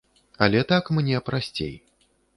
Але так мне прасцей.